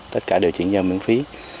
tất cả đều chuyển giao miễn phí